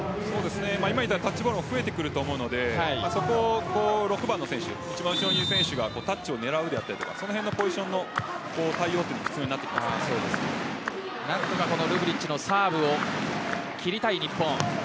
今みたいなタッチボールも増えてくると思うのでそこを６番の選手がタッチを狙うであったりその辺のポジションの対応というのが何とか、ルブリッチのサーブを切りたい日本。